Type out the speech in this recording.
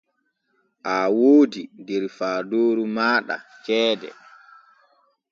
Aa woodi der faadooru maaɗa ceede.